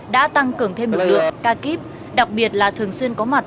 đã tăng cường thêm lực lượng ca kíp đặc biệt là thường xuyên có mặt